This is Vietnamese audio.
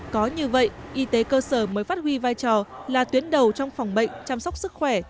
có như vậy y tế cơ sở mới phát huy vai trò là tuyến đầu trong phòng bệnh chăm sóc sức khỏe